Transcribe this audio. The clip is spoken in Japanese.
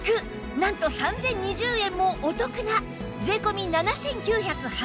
なんと３０２０円もお得な税込７９８０円